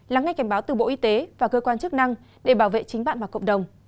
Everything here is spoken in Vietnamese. lắng nghe cảnh báo từ bộ y tế và cơ quan chức năng để bảo vệ chính bạn và cộng đồng